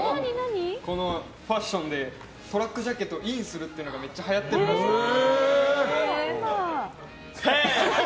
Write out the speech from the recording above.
このファッションでトラックジャケットをインするのがめっちゃはやってるらしいので。